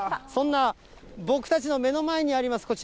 そんな僕たちの目の前にあります